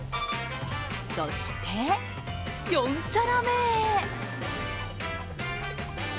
そして、４皿目へ。